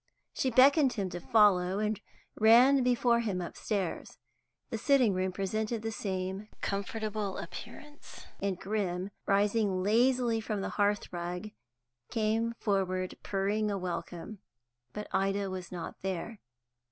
She beckoned him to follow, and ran before him upstairs. The sitting room presented the same comfortable appearance, and Grim, rising lazily from the hearthrug, came forward purring a welcome, but Ida was not there.